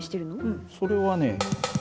うんそれはね